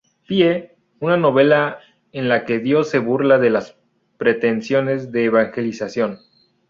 Pye", una novela en la que Dios se burla de las pretensiones de evangelización.